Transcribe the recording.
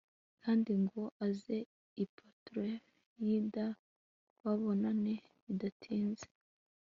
kandi ngo aze i putolemayida babonane bidatinze